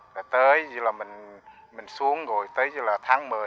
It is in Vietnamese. rồi tới như là mình xuống rồi tới như là tháng một mươi đó